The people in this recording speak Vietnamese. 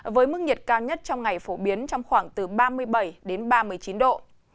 với mức nhiệt cao nhất trong ngày phổ biến trong khoảng từ ba mươi bảy đến ba mươi chín độ